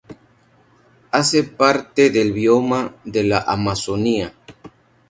Hace parte del bioma de la Amazonia.